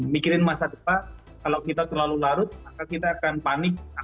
mikirin masa depan kalau kita terlalu larut maka kita akan panik